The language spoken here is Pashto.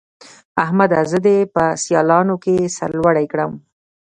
احمده! زه دې په سيالانو کې سر لوړی کړم.